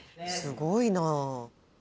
すごいな。